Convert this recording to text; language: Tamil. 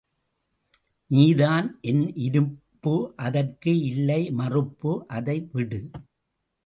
நீதான் என் இருப்பு அதற்கு இல்லை மறுப்பு அதை விடு.